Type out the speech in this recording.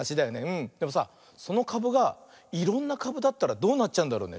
でもさそのかぶがいろんなかぶだったらどうなっちゃうんだろうね？